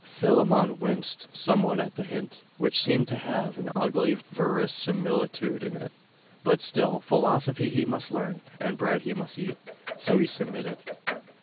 Philammon winced somewhat at the hint; which seemed to have an ugly verisimilitude in it: but still, philosophy he must learn, and bread he must eat; so he submitted.